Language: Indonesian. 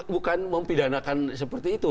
bukan mempidanakan seperti itu